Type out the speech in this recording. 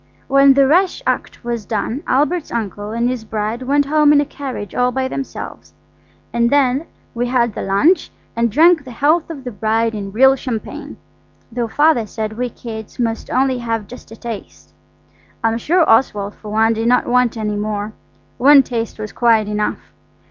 When the rash act was done Albert's uncle and his bride went home in a carriage all by themselves, and then we had the lunch and drank the health of the bride in real champagne, though Father said we kids must only have just a taste. I'm sure Oswald, for one, did not want any more; one taste was quite enough.